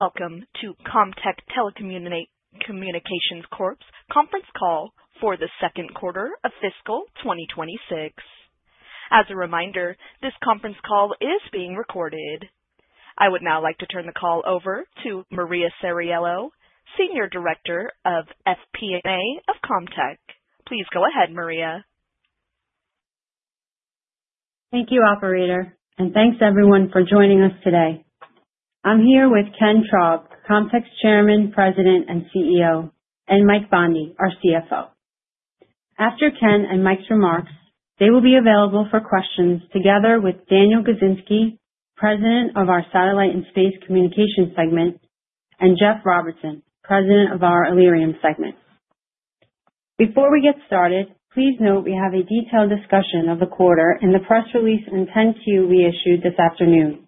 Welcome to Comtech Telecommunications Corp's Conference Call for the second quarter of fiscal 2026. As a reminder, this conference call is being recorded. I would now like to turn the call over to Maria Ceriello, Senior Director of FP&A of Comtech. Please go ahead, Maria. Thank you, operator, and thanks everyone for joining us today. I'm here with Ken Traub, Comtech's Chairman, President, and CEO, and Mike Bondi, our CFO. After Ken and Mike's remarks, they will be available for questions together with Daniel Gizinski, President of our Satellite and Space Communications segment, and Jeff Robertson, President of our Allerium segment. Before we get started, please note we have a detailed discussion of the quarter in the press release and Form 10-Q we issued this afternoon,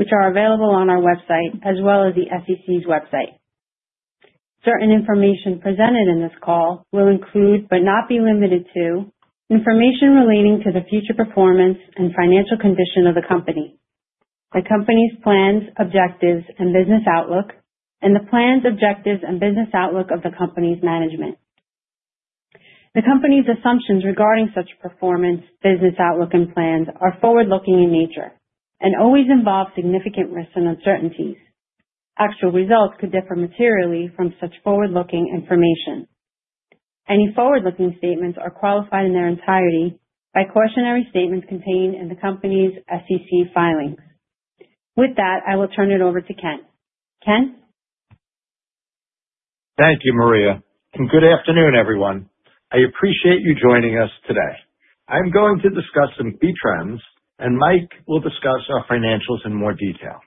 which are available on our website as well as the SEC's website. Certain information presented in this call will include, but not be limited to, information relating to the future performance and financial condition of the company, the company's plans, objectives, and business outlook, and the plans, objectives, and business outlook of the company's management. The company's assumptions regarding such performance, business outlook, and plans are forward-looking in nature and always involve significant risks and uncertainties. Actual results could differ materially from such forward-looking information. Any forward-looking statements are qualified in their entirety by cautionary statements contained in the company's SEC filings. With that, I will turn it over to Ken. Ken? Thank you, Maria, and good afternoon, everyone. I appreciate you joining us today. I'm going to discuss some key trends, and Mike will discuss our financials in more detail.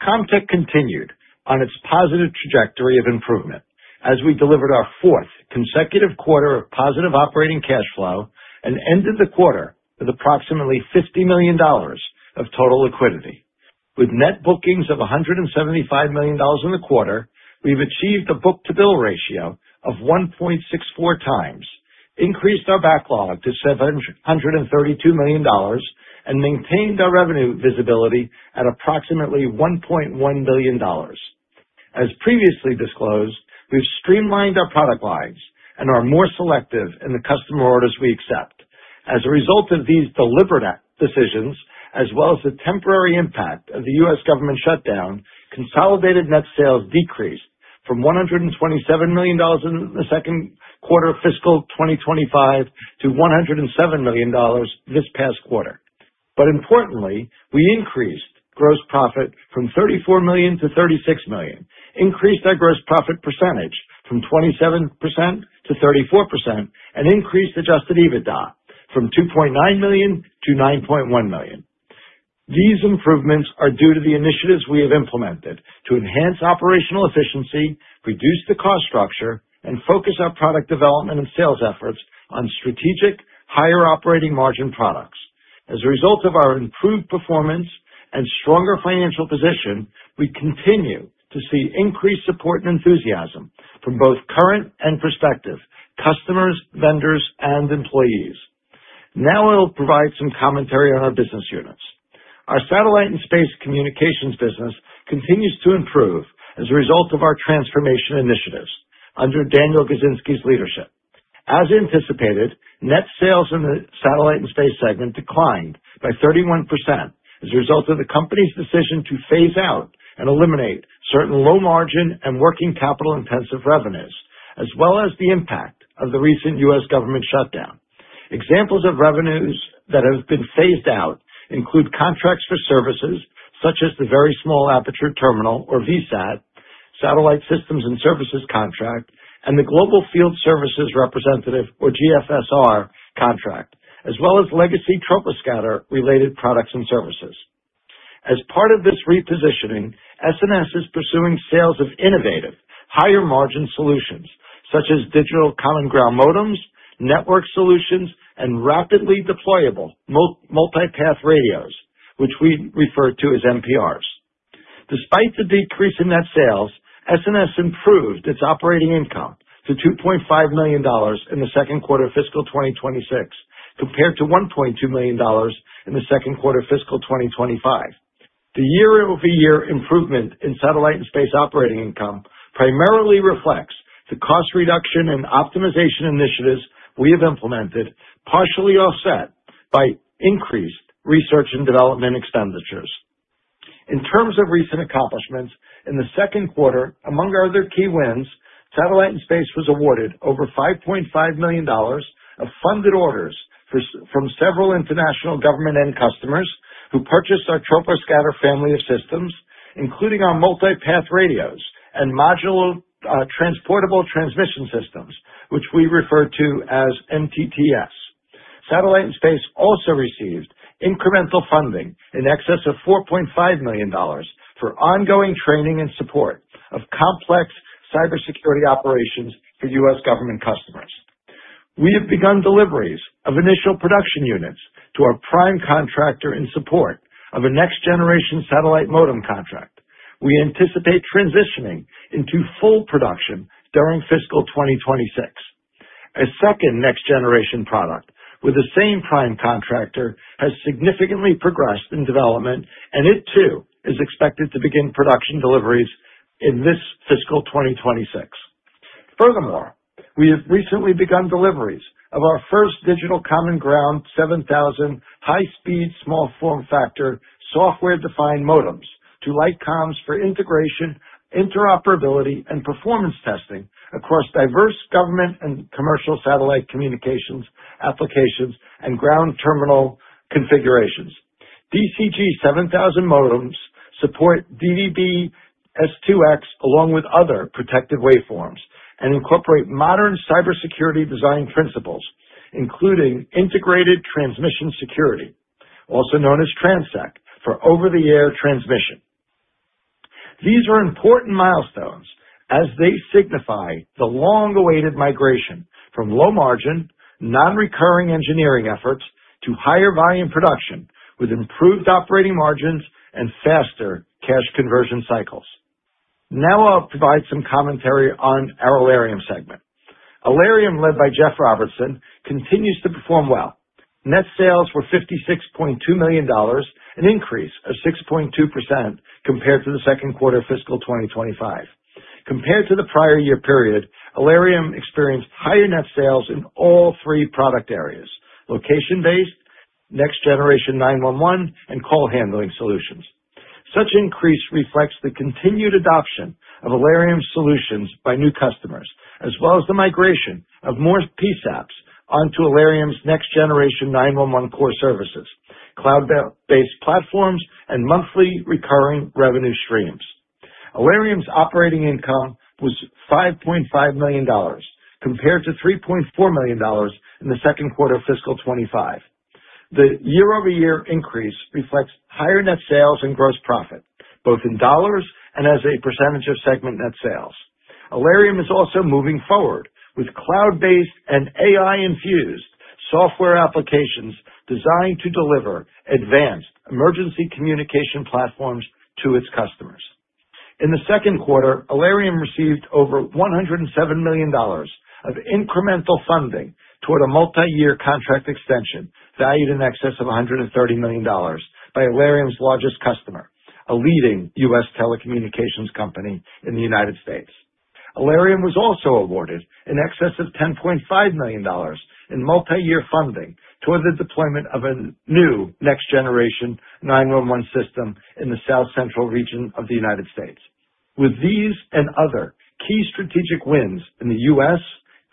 Comtech continued on its positive trajectory of improvement as we delivered our fourth consecutive quarter of positive operating cash flow and ended the quarter with approximately $50 million of total liquidity. With net bookings of $175 million in the quarter, we've achieved a book-to-bill ratio of 1.64x, increased our backlog to $732 million, and maintained our revenue visibility at approximately $1.1 billion. As previously disclosed, we've streamlined our product lines and are more selective in the customer orders we accept. As a result of these deliberate decisions, as well as the temporary impact of the U.S. government shutdown, consolidated net sales decreased from $127 million in the second quarter of fiscal 2025 to $107 million this past quarter. Importantly, we increased gross profit from $34 million to $36 million, increased our gross profit percentage from 27% to 34%, and increased Adjusted EBITDA from $2.9 million to $9.1 million. These improvements are due to the initiatives we have implemented to enhance operational efficiency, reduce the cost structure, and focus our product development and sales efforts on strategic higher operating margin products. As a result of our improved performance and stronger financial position, we continue to see increased support and enthusiasm from both current and prospective customers, vendors, and employees. Now I'll provide some commentary on our business units. Our Satellite and Space Communications business continues to improve as a result of our transformation initiatives under Daniel Gizinski's leadership. As anticipated, net sales in the Satellite and Space Communications segment declined by 31% as a result of the company's decision to phase out and eliminate certain low margin and working capital intensive revenues, as well as the impact of the recent U.S. government shutdown. Examples of revenues that have been phased out include contracts for services such as the Very Small Aperture Terminal or VSAT, Satellite Systems and Services Contract, and the Global Field Services Representative or GFSR contract, as well as legacy Troposcatter-related products and services. As part of this repositioning, S&S is pursuing sales of innovative higher margin solutions such as Digital Common Ground modems, network solutions, and rapidly deployable multipath radios, which we refer to as MPRs. Despite the decrease in net sales, S&S improved its operating income to $2.5 million in the second quarter of fiscal 2026, compared to $1.2 million in the second quarter of fiscal 2025. The year-over-year improvement in Satellite & Space operating income primarily reflects the cost reduction and optimization initiatives we have implemented, partially offset by increased research and development expenditures. In terms of recent accomplishments, in the second quarter, among our other key wins, Satellite and Space was awarded over $5.5 million of funded orders for from several international government end customers who purchased our Troposcatter family of systems, including our Multipath Radios and Modular Transportable Transmission Systems, which we refer to as MTTS. Satellite & Space also received incremental funding in excess of $4.5 million for ongoing training and support of complex cybersecurity operations for U.S. government customers. We have begun deliveries of initial production units to our prime contractor in support of a next-generation satellite modem contract. We anticipate transitioning into full production during fiscal 2026. A second next-generation product with the same prime contractor has significantly progressed in development, and it too is expected to begin production deliveries in this fiscal 2026. Furthermore, we have recently begun deliveries of our first Digital Common Ground 7000 high-speed, small form factor, software-defined modems to Lite Coms for integration, interoperability, and performance testing across diverse government and commercial satellite communications applications and ground terminal configurations. DCG 7000 modems support DVB-S2X along with other protective waveforms and incorporate modern cybersecurity design principles, including integrated Transmission Security, also known as TRANSEC, for over-the-air transmission. These are important milestones as they signify the long-awaited migration from low margin, non-recurring engineering efforts to higher volume production with improved operating margins and faster cash conversion cycles. Now I'll provide some commentary on our Allerium segment. Allerium, led by Jeff Robertson, continues to perform well. Net sales were $56.2 million, an increase of 6.2% compared to the second quarter of fiscal 2025. Compared to the prior year period, Allerium experienced higher net sales in all three product areas: location-based, Next Generation 9-1-1, and call handling solutions. Such increase reflects the continued adoption of Allerium's solutions by new customers, as well as the migration of more PSAPs onto Allerium's Next Generation 9-1-1 core services, cloud-based platforms, and monthly recurring revenue streams. Allerium's operating income was $5.5 million compared to $3.4 million in the second quarter of fiscal 2025. The year-over-year increase reflects higher net sales and gross profit, both in dollars and as a percentage of segment net sales. Allerium is also moving forward with cloud-based and AI-infused software applications designed to deliver advanced emergency communication platforms to its customers. In the second quarter, Allerium received over $107 million of incremental funding toward a multiyear contract extension valued in excess of $130 million by Allerium's largest customer, a leading U.S. telecommunications company in the United States. Allerium was also awarded in excess of $10.5 million in multiyear funding towards the deployment of a new Next Generation 9-1-1 system in the South Central region of the United States. With these and other key strategic wins in the U.S.,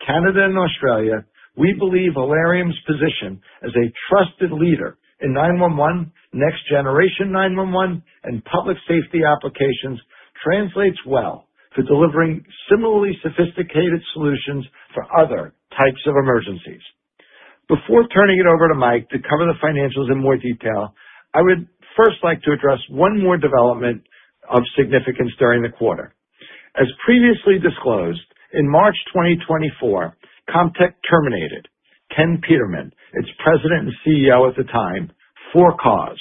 Canada, and Australia, we believe Allerium's position as a trusted leader in 9-1-1, Next Generation 9-1-1, and public safety applications translates well to delivering similarly sophisticated solutions for other types of emergencies. Before turning it over to Mike to cover the financials in more detail, I would first like to address one more development of significance during the quarter. As previously disclosed, in March 2024, Comtech terminated Ken Peterman, its President and CEO at the time, for cause.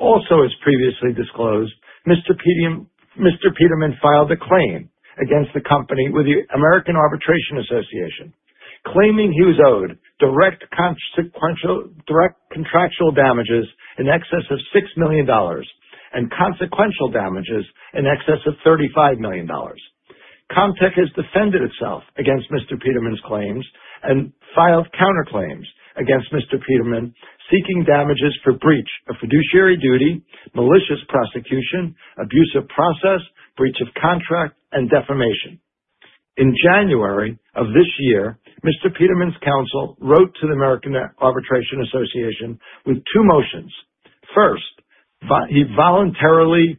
Also, as previously disclosed, Mr. Peterman filed a claim against the company with the American Arbitration Association, claiming he was owed direct contractual damages in excess of $6 million and consequential damages in excess of $35 million. Comtech has defended itself against Mr. Peterman's claims and filed counterclaims against Mr. Peterman, seeking damages for breach of fiduciary duty, malicious prosecution, abuse of process, breach of contract, and defamation. In January of this year, Mr. Peterman's counsel wrote to the American Arbitration Association with two motions. First, he voluntarily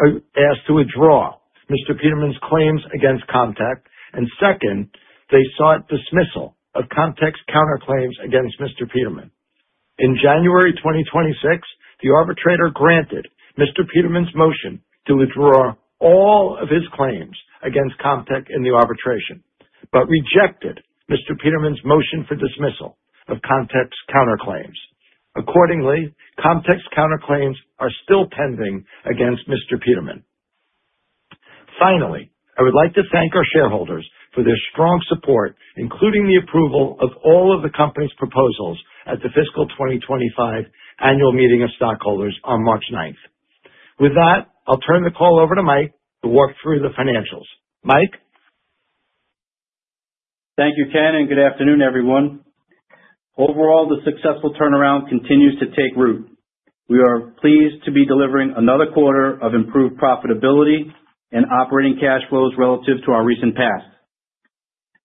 asked to withdraw Mr. Peterman's claims against Comtech, and second, they sought dismissal of Comtech's counterclaims against Mr. Peterman. In January 2026, the arbitrator granted Mr. Peterman's motion to withdraw all of his claims against Comtech in the arbitration, but rejected Mr. Peterman's motion for dismissal of Comtech's counterclaims. Accordingly, Comtech's counterclaims are still pending against Mr. Peterman. Finally, I would like to thank our shareholders for their strong support, including the approval of all of the company's proposals at the fiscal 2025 annual meeting of stockholders on March 9. With that, I'll turn the call over to Mike to walk through the financials. Mike? Thank you, Ken, and good afternoon, everyone. Overall, the successful turnaround continues to take root. We are pleased to be delivering another quarter of improved profitability and operating cash flows relative to our recent past.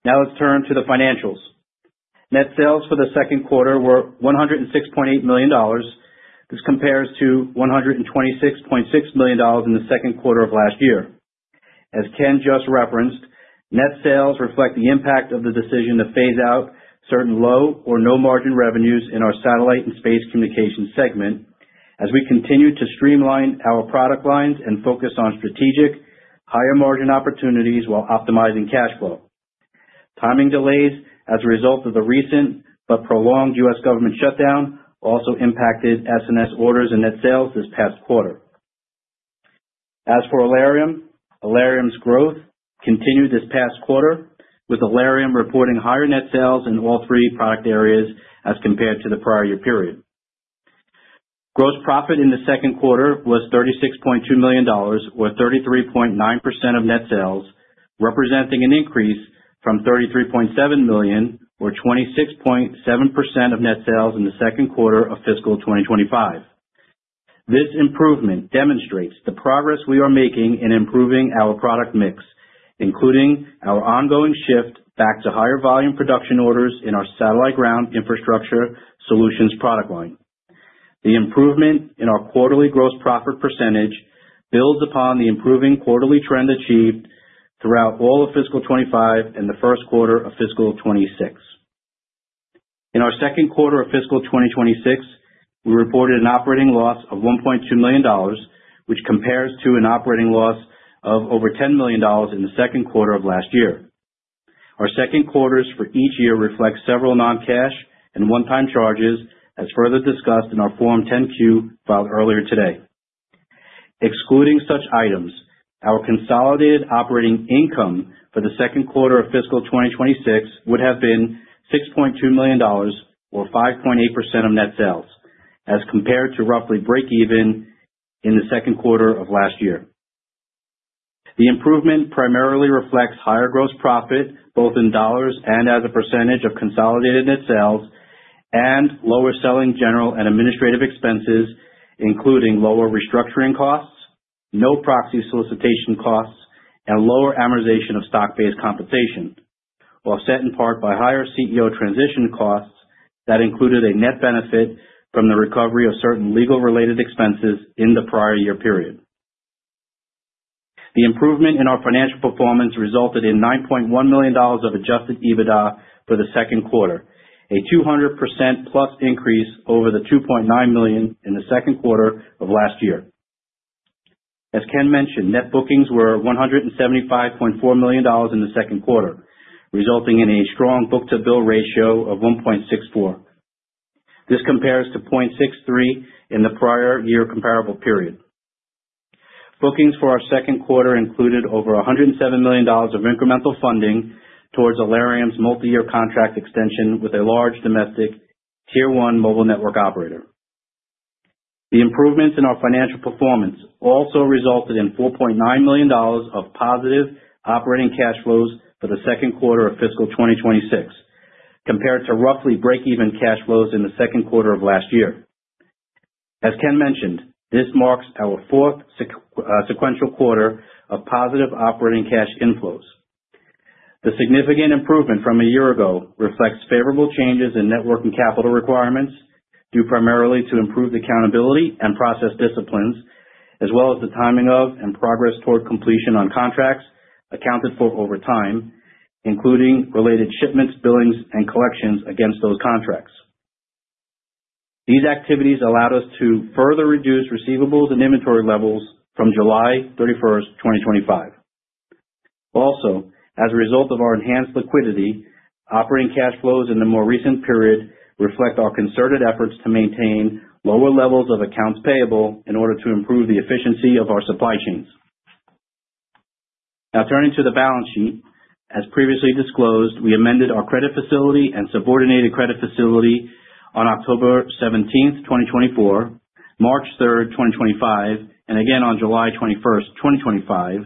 Now let's turn to the financials. Net sales for the second quarter were $106.8 million. This compares to $126.6 million in the second quarter of last year. As Ken just referenced, net sales reflect the impact of the decision to phase out certain low or no margin revenues in our Satellite and Space Communications segment as we continue to streamline our product lines and focus on strategic higher margin opportunities while optimizing cash flow. Timing delays as a result of the recent but prolonged U.S. government shutdown also impacted S&S orders and net sales this past quarter. As for Allerium's growth continued this past quarter, with Allerium reporting higher net sales in all three product areas as compared to the prior year period. Gross profit in the second quarter was $36.2 million or 33.9% of net sales, representing an increase from $33.7 million or 26.7% of net sales in the second quarter of fiscal 2025. This improvement demonstrates the progress we are making in improving our product mix, including our ongoing shift back to higher volume production orders in our satellite ground infrastructure solutions product line. The improvement in our quarterly gross profit percentage builds upon the improving quarterly trend achieved throughout all of fiscal 2025 and the first quarter of fiscal 2026. In our second quarter of fiscal 2026, we reported an operating loss of $1.2 million, which compares to an operating loss of over $10 million in the second quarter of last year. Our second quarters for each year reflect several non-cash and one-time charges, as further discussed in our Form 10-Q filed earlier today. Excluding such items, our consolidated operating income for the second quarter of fiscal 2026 would have been $6.2 million or 5.8% of net sales, as compared to roughly break even in the second quarter of last year. The improvement primarily reflects higher gross profit, both in dollars and as a percentage of consolidated net sales and lower selling general and administrative expenses, including lower restructuring costs, no proxy solicitation costs, and lower amortization of stock-based compensation, offset in part by higher CEO transition costs that included a net benefit from the recovery of certain legal-related expenses in the prior year period. The improvement in our financial performance resulted in $9.1 million of Adjusted EBITDA for the second quarter, a 200%+ increase over the $2.9 million in the second quarter of last year. As Ken mentioned, net bookings were $175.4 million in the second quarter, resulting in a strong book-to-bill ratio of 1.64x. This compares to 0.63x in the prior year comparable period. Bookings for our second quarter included over $107 million of incremental funding towards Allerium's multiyear contract extension with a large domestic tier one mobile network operator. The improvements in our financial performance also resulted in $4.9 million of positive operating cash flows for the second quarter of fiscal 2026, compared to roughly break-even cash flows in the second quarter of last year. As Ken mentioned, this marks our fourth sequential quarter of positive operating cash inflows. The significant improvement from a year ago reflects favorable changes in network and capital requirements, due primarily to improved accountability and process disciplines, as well as the timing of and progress toward completion on contracts accounted for over time, including related shipments, billings, and collections against those contracts. These activities allowed us to further reduce receivables and inventory levels from July 31, 2025. Also, as a result of our enhanced liquidity, operating cash flows in the more recent period reflect our concerted efforts to maintain lower levels of accounts payable in order to improve the efficiency of our supply chains. Now turning to the balance sheet. As previously disclosed, we amended our credit facility and subordinated credit facility on October 17th, 2024, March 3rd, 2025, and again on July 21st, 2025,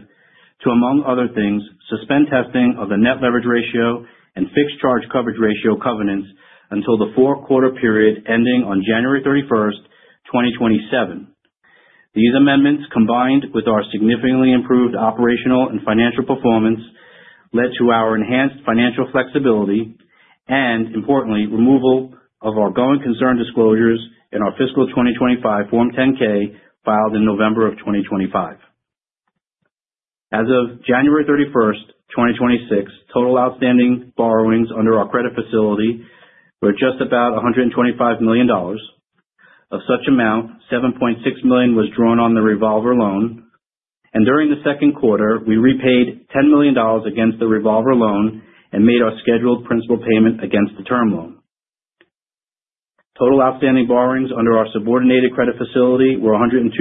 to, among other things, suspend testing of the net leverage ratio and fixed charge coverage ratio covenants until the four-quarter period ending on January 31st, 2027. These amendments, combined with our significantly improved operational and financial performance, led to our enhanced financial flexibility and, importantly, removal of our going concern disclosures in our fiscal 2025 Form 10-K filed in November 2025. As of January 31st, 2026, total outstanding borrowings under our credit facility were just about $125 million. Of such amount, $7.6 million was drawn on the revolver loan. During the second quarter, we repaid $10 million against the revolver loan and made our scheduled principal payment against the term loan. Total outstanding borrowings under our subordinated credit facility were $102.8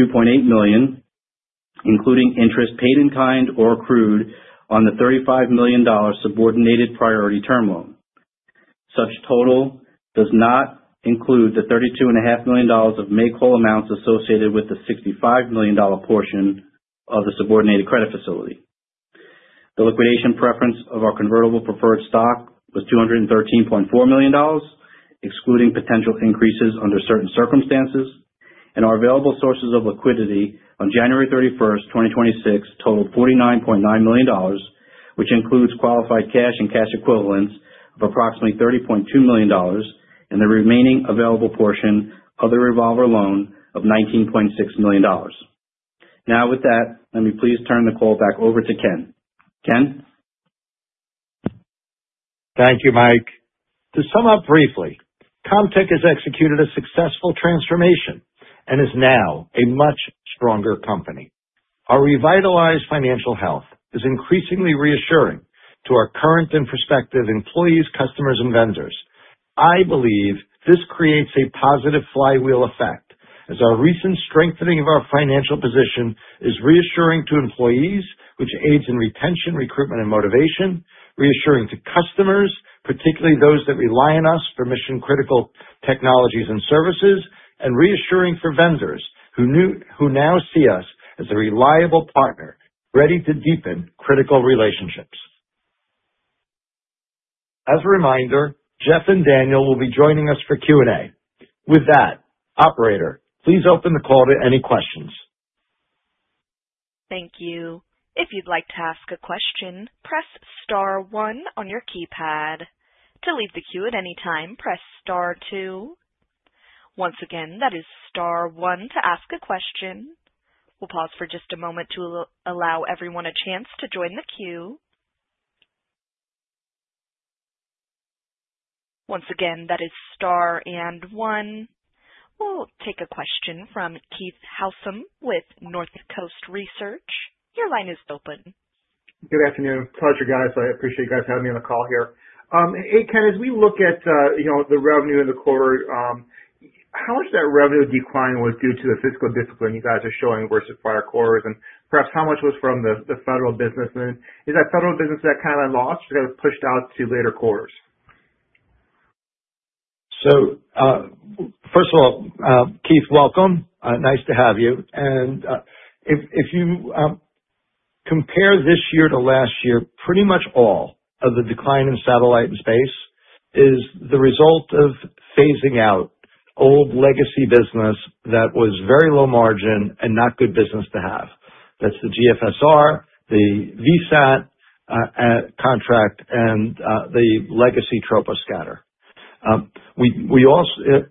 million, including interest paid in kind or accrued on the $35 million subordinated priority term loan. Such total does not include the $32.5 million of make-whole amounts associated with the $65 million portion of the subordinated credit facility. The liquidation preference of our convertible preferred stock was $213.4 million, excluding potential increases under certain circumstances. Our available sources of liquidity on January 31t, 2026 totaled $49.9 million, which includes qualified cash and cash equivalents of approximately $30.2 million and the remaining available portion of the revolver loan of $19.6 million. Now with that, let me please turn the call back over to Ken. Ken? Thank you, Mike. To sum up briefly, Comtech has executed a successful transformation and is now a much stronger company. Our revitalized financial health is increasingly reassuring to our current and prospective employees, customers, and vendors. I believe this creates a positive flywheel effect, as our recent strengthening of our financial position is reassuring to employees, which aids in retention, recruitment, and motivation. Reassuring to customers, particularly those that rely on us for mission-critical technologies and services, and reassuring for vendors who now see us as a reliable partner ready to deepen critical relationships. As a reminder, Jeff and Daniel will be joining us for Q&A. With that, operator, please open the call to any questions. Thank you. If you'd like to ask a question, press star one on your keypad. To leave the queue at any time, press star two. Once again, that is star one to ask a question. We'll pause for just a moment to allow everyone a chance to join the queue. Once again, that is star one. We'll take a question from Keith Housum with Northcoast Research. Your line is open. Good afternoon. Pleasure, guys. I appreciate you guys having me on the call here. Hey, Ken, as we look at you know the revenue in the quarter, how much of that revenue decline was due to the fiscal discipline you guys are showing versus prior quarters? Perhaps how much was from the federal business? Is that federal business that kind of lost or got pushed out to later quarters? First of all, Keith, welcome. Nice to have you. If you compare this year to last year, pretty much all of the decline in Satellite and Space is the result of phasing out old legacy business that was very low margin and not good business to have. That's the GFSR, the VSAT contract, and the legacy Troposcatter.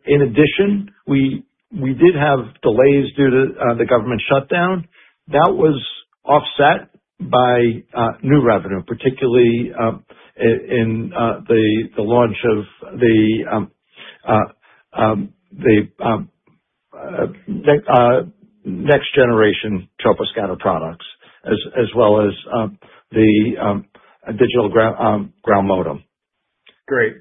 In addition, we did have delays due to the government shutdown. That was offset by new revenue, particularly in the launch of the next generation Troposcatter products as well as the Digital Common Ground modem. Great.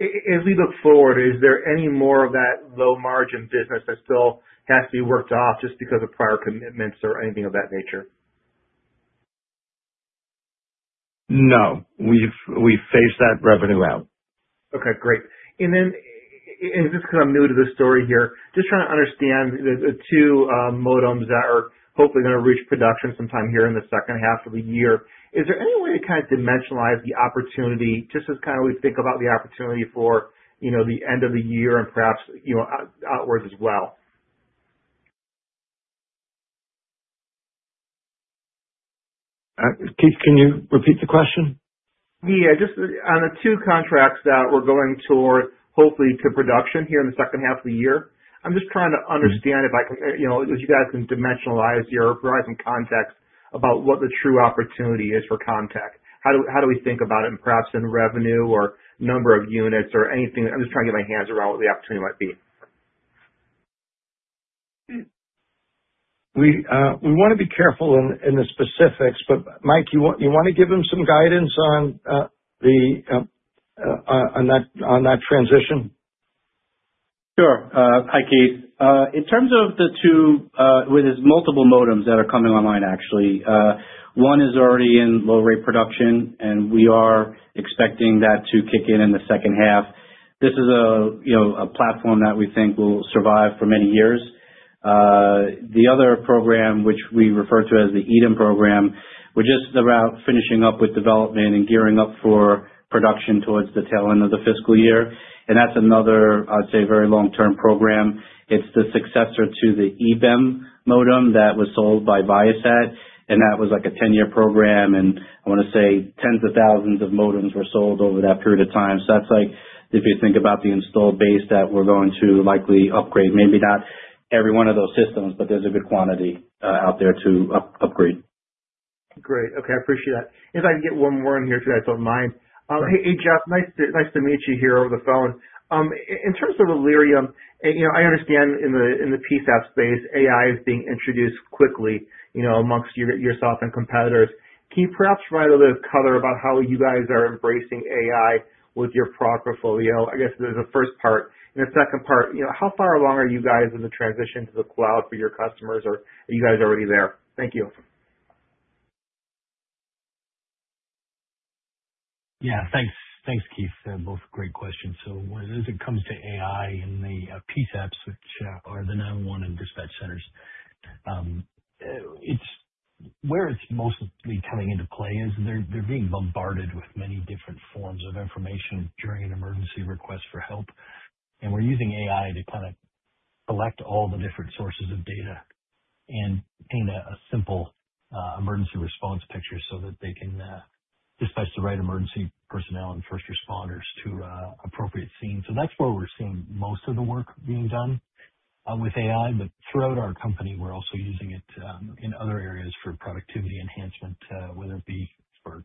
As we look forward, is there any more of that low margin business that still has to be worked off just because of prior commitments or anything of that nature? No. We've phased that revenue out. Okay, great. Then just 'cause I'm new to this story here, just trying to understand the two modems that are hopefully gonna reach production sometime here in the second half of the year. Is there any way to kind of dimensionalize the opportunity, just as kind of we think about the opportunity for, you know, the end of the year and perhaps, you know, outwards as well? Keith, can you repeat the question? Yeah. Just on the two contracts that we're going toward, hopefully to production here in the second half of the year. I'm just trying to understand if I can. You know, if you guys can dimensionalize your horizon context about what the true opportunity is for Comtech. How do we think about it in, perhaps in revenue or number of units or anything? I'm just trying to get my hands around what the opportunity might be. We wanna be careful in the specifics, but Mike, you wanna give him some guidance on that transition? Sure. Hi, Keith. In terms of the two, well, there's multiple modems that are coming online, actually. One is already in low rate production, and we are expecting that to kick in in the second half. This is a, you know, a platform that we think will survive for many years. The other program, which we refer to as the EDIM program, we're just about finishing up with development and gearing up for production towards the tail end of the fiscal year. That's another, I'd say, very long-term program. It's the successor to the EBEM modem that was sold by Viasat, and that was like a 10-year program. I wanna say tens of thousands of modems were sold over that period of time. That's like if you think about the installed base that we're going to likely upgrade, maybe not every one of those systems, but there's a good quantity out there to upgrade. Great. Okay. I appreciate that. If I can get one more in here, if you guys don't mind. Hey, Jeff. Nice to meet you here over the phone. In terms of Allerium, you know, I understand in the PSAP space, AI is being introduced quickly, you know, amongst yourselves and competitors. Can you perhaps provide a little color about how you guys are embracing AI with your product portfolio? I guess that's the first part. The second part, you know, how far along are you guys in the transition to the cloud for your customers, or are you guys already there? Thank you. Yeah. Thanks, Keith. They're both great questions. As it comes to AI and the PSAPs, which are the 9-1-1 and dispatch centers, where it's mostly coming into play is they're being bombarded with many different forms of information during an emergency request for help. We're using AI to kinda collect all the different sources of data and paint a simple emergency response picture so that they can dispatch the right emergency personnel and first responders to appropriate scenes. That's where we're seeing most of the work being done with AI. Throughout our company we're also using it in other areas for productivity enhancement, whether it be for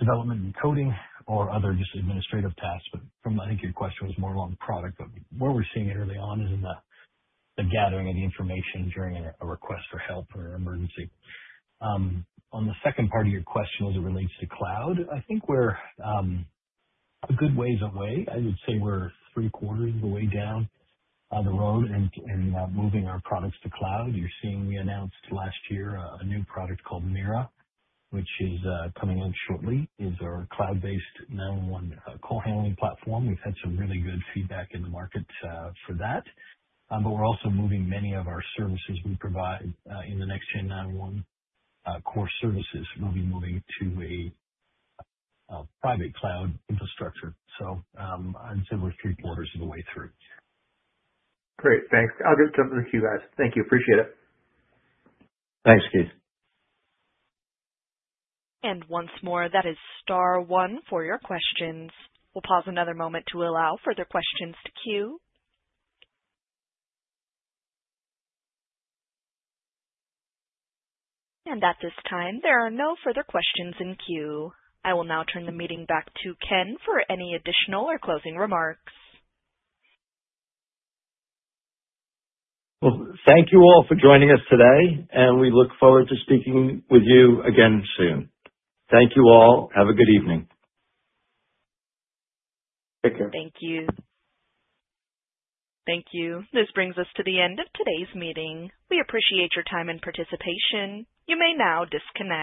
development and coding or other just administrative tasks. I think your question was more along the product, but where we're seeing it early on is in the gathering of the information during a request for help or emergency. On the second part of your question as it relates to cloud, I think we're a good ways away. I would say we're three-quarters of the way down the road and moving our products to cloud. You're seeing we announced last year a new product called Myra, which is coming out shortly, is our cloud-based 9-1-1 call handling platform. We've had some really good feedback in the market for that. We're also moving many of our services we provide in the next gen 9-1-1 core services. We'll be moving to a private cloud infrastructure. I'd say we're 3/4 of the way through. Great. Thanks. I'll just jump in the queue, guys. Thank you. Appreciate it. Thanks, Keith. Once more, that is star one for your questions. We'll pause another moment to allow further questions to queue. At this time, there are no further questions in queue. I will now turn the meeting back to Ken for any additional or closing remarks. Well, thank you all for joining us today, and we look forward to speaking with you again soon. Thank you all. Have a good evening. Take care. Thank you. Thank you. This brings us to the end of today's meeting. We appreciate your time and participation. You may now disconnect.